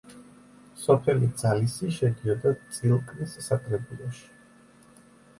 სოფელი ძალისი შედიოდა წილკნის საკრებულოში.